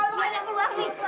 iu banyak keluar nih